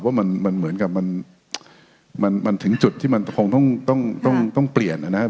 ว่ามันมันเหมือนกับมันมันมันถึงจุดที่มันคงต้องต้องต้องต้องเปลี่ยนอ่ะนะฮะ